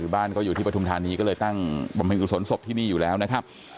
บ้านก็อยู่ที่ปฐุมธานีก็เลยตั้งบำเพ็ญกุศลศพที่นี่อยู่แล้วนะครับ